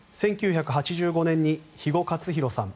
１９８５年に肥後克広さん